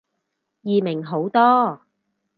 易明好多